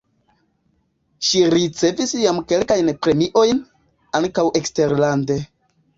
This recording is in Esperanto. Ŝi ricevis jam kelkajn premiojn (ankaŭ eksterlande).